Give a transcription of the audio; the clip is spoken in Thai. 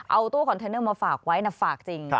เอาตู้คอนเทนเนอร์มาฝากไว้ฝากจริง